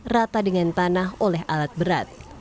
rata dengan tanah oleh alat berat